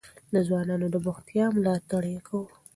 د ځوانانو د بوختيا ملاتړ يې کاوه.